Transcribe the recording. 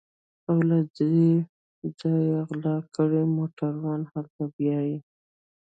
او له دې ځايه غلا کړي موټران هلته بيايي.